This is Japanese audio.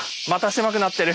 狭くなってる。